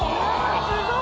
すごい。